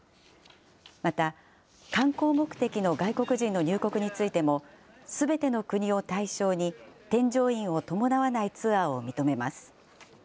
また、観光目的の外国人の入国についても、すべての国を対象に添乗員を伴わないツアーを認めます。